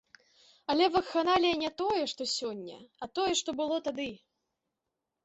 Але вакханалія не тое, што сёння, а тое, што было тады.